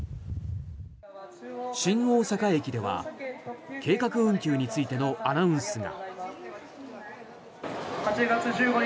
新大阪駅では計画運休についてのアナウンスが。